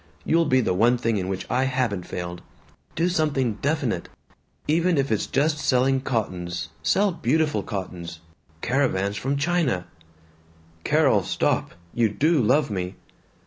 You'll be the one thing in which I haven't failed. Do something definite! Even if it's just selling cottons. Sell beautiful cottons caravans from China " "Carol! Stop! You do love me!"